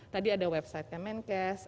tadi ada websitenya menkes